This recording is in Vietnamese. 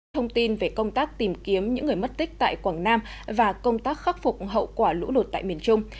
thông tin về công tác tìm kiếm những người mất tích tại quảng nam và công tác khắc phục hậu quả lũ lụt tại miền trung